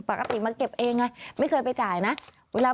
ปกติมาเก็บเองไงไม่เคยไปจ่ายนะ